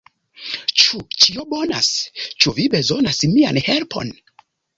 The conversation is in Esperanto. "Ĉu ĉio bonas? Ĉu vi bezonas mian helpon?"